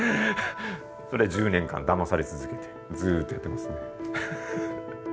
それで１０年間だまされ続けてずっとやってます。